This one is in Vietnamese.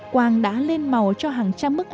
quang đã lên màu cho hàng trăm bức ảnh